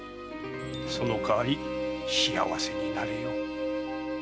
その代わり幸せになれよ。